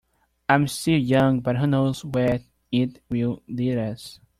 It's still young, but who knows where it will lead us.